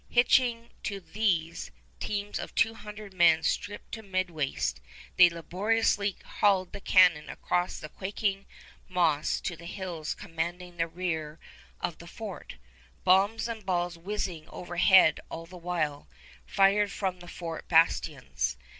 Hitching to these, teams of two hundred men stripped to midwaist, they laboriously hauled the cannon across the quaking moss to the hills commanding the rear of the fort, bombs and balls whizzing overhead all the while, fired from the fort bastions.